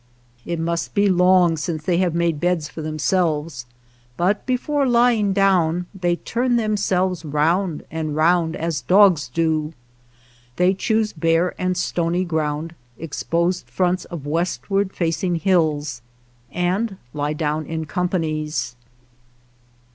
It must be long since they have made beds for them selves, but before lying down they turn themselves round and round as dogs do. They choose bare and stony ground, ex 35 WATER TRAILS OF THE CERISO posed fronts of westward facing hills, and lie down in companies.